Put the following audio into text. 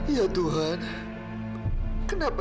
ya tuhan kenapa